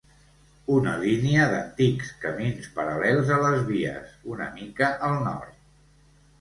Una línia d'antics camins paral·lels a les vies, una mica al nord.